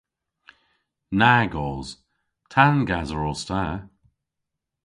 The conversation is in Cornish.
Nag os. Tangaser os ta.